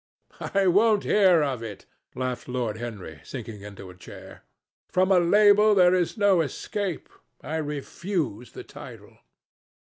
"I won't hear of it," laughed Lord Henry, sinking into a chair. "From a label there is no escape! I refuse the title."